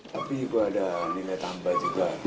tapi ibu ada nilai tambah juga